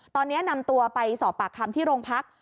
ตอนนี้นำตัวไปสอบปากคำที่โรงพัก